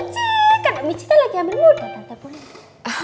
kan mieci kan lagi hamil muda tante boleh